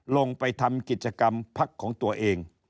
ลงไปทำกิจกรรมพักของตัวเอง